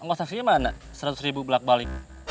engkau saksinya mana rp seratus belak balik